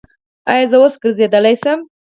ایا زه اوس ګرځیدلی شم؟